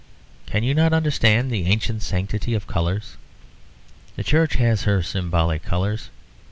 Can you not understand the ancient sanctity of colours? The Church has her symbolic colours.